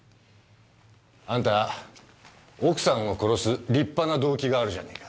あんた奥さんを殺す立派な動機があるじゃねえか。